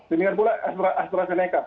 dengan pula aspirasi makeup